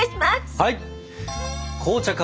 はい！